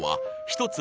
一つ